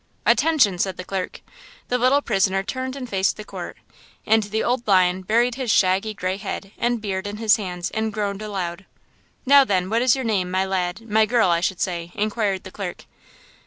"Attention!" said the clerk. The little prisoner turned and faced the court. And the "old lion" buried his shaggy, gray head and beard in his hands and groaned aloud. "Now, then, what is your name, my lad–my girl, I should say?" inquired the clerk.